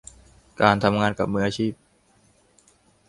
การทำงานกับมืออาชีพ